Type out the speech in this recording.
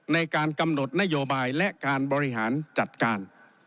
ในการกำหนดนโยบายและการบริหารจัดการ